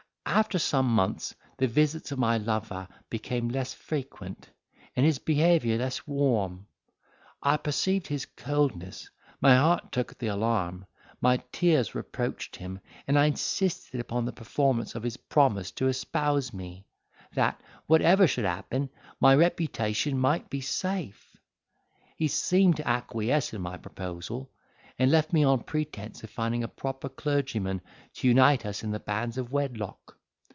After some months, the visits of my lover became less frequent, and his behaviour less warm: I perceived his coldness, my heart took the alarm, my tears reproached him, and I insisted upon the performance of his promise to espouse me, that, whatever should happen, my reputation might be safe. He seemed to acquiesce in my proposal, and left me on pretence of finding a proper clergyman to unite us in the bands of wedlock.